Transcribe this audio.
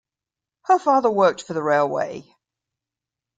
Her father worked for the railway.